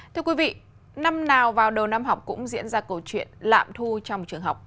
thưa quý vị năm nào vào đầu năm học cũng diễn ra câu chuyện lạm thu trong trường học